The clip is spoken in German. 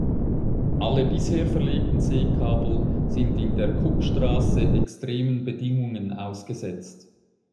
Alle bisher verlegten Seekabel sind in der Cookstraße extremen Bedingungen ausgesetzt.